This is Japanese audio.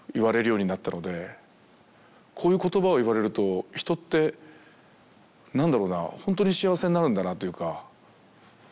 こういう言葉を言われると人って何だろうなほんとに幸せになるんだなというか。